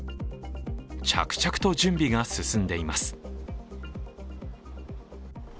着々と準備が進んでいます。